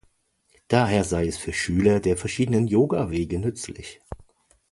Daher sei es für Schüler der verschiedenen Yoga-Wege nützlich.